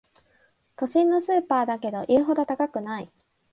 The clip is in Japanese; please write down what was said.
都心のスーパーだけど言うほど高くない